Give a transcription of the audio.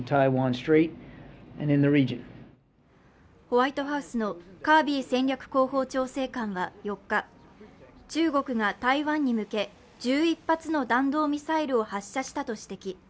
ホワイトハウスのカービー戦略広報調整官は４日、中国が台湾に向け、１１発の弾道ミサイルを発射したと指摘。